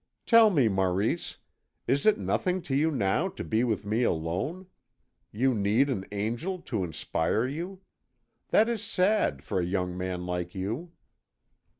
"Tell me, Maurice, is it nothing to you now to be with me alone?... You need an angel to inspire you. That is sad, for a young man like you!"